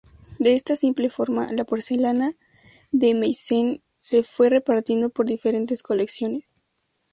De esta simple forma, la porcelana de Meissen se fue repartiendo por diferentes colecciones.